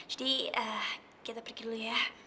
jadi kita pergi dulu ya